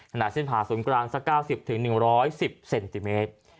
ขนาดเส้นผ่าศูนย์กลางสัก๙๐๑๑๐เซนติเมตร